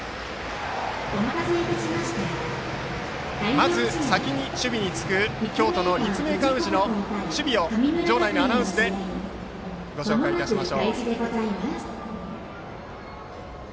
まず、先に守備につく京都の立命館宇治の守備をご紹介いたします。